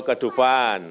oh ke dufan